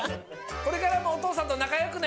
これからもおとうさんとなかよくね！